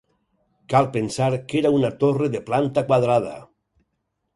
Cal pensar que era una torre de planta quadrada.